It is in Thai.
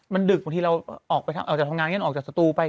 มันดึกคนที่เราออกจากทางงานออกจากสตูไป